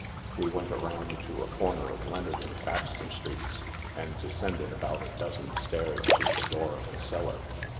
We went around to the corner of Leonard and Baxter streets, and descended about a dozen stairs to the door of a cellar.